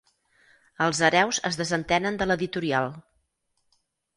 Els hereus es desentenen de l'editorial.